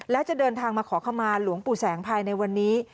และจะเดินทางมาขอขมาหลวงปู่แสงภายในวันนี้